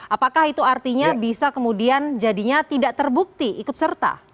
apakah itu artinya bisa kemudian jadinya tidak terbukti ikut serta